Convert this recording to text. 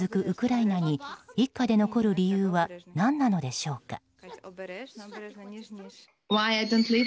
ウクライナに一家で残る理由は何なのでしょうか。